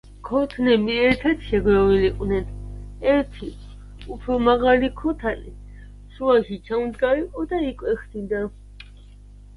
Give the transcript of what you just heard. ქოთნები ერთად შეგროვილიყვნენ.ერთი, უფრო მაღალი ქოთანი, შუაში ჩამდგარიყო და იკვეხნიდა.